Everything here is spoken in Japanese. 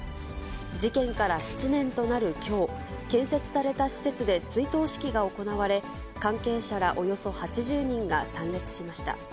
事件から７年となるきょう、建設された施設で追悼式が行われ、関係者らおよそ８０人が参列しました。